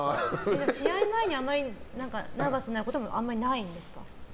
試合前にナーバスなこともあんまりないんですか？